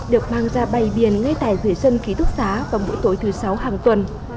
được mang ra bay biển ngay tại dưới sân ký túc xá vào buổi tối thứ sáu hàng tuần